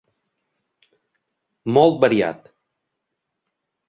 Molt variat.